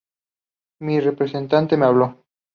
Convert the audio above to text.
Mi representante me habló.